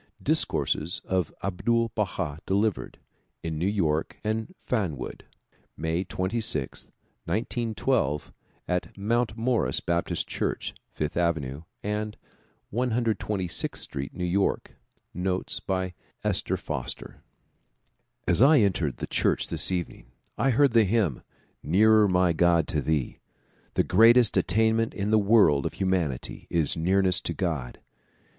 Discourses of Abdul Baha delivered in New York and Fanwood. May 26, 1912, at Mount Morris Baptist Church, Fifth Ave. and 126th Street, New York. Notes by Esther Foster AS I entered the church this evening I heard the hymn '' Nearer my God, to Thee." The greatest attainment in the world of humanity is nearness to God.